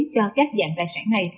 cho các dạng đài sản này